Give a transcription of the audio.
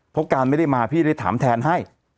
เพราะการไม่ได้มาพี่ได้ถามแทนให้